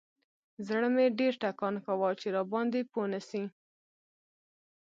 زړه مې ډېر ټکان کاوه چې راباندې پوه نسي.